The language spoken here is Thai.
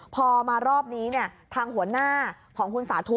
พอมารอบนี้ทางหัวหน้าของคุณสาธุ